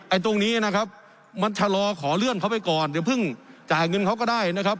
ตรงนี้นะครับมันชะลอขอเลื่อนเขาไปก่อนอย่าเพิ่งจ่ายเงินเขาก็ได้นะครับ